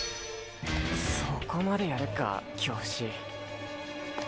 そこまでやるか⁉京伏。